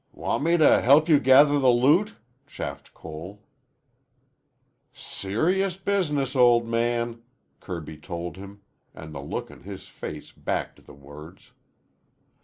"Want me to help you gather the loot?" chaffed Cole. "Serious business, old man," Kirby told him, and the look on his face backed the words.